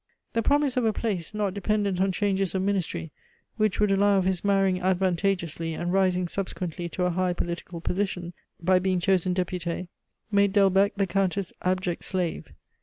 The promise of a place, not dependent on changes of ministry, which would allow of his marrying advantageously, and rising subsequently to a high political position, by being chosen Depute, made Delbecq the Countess' abject slave.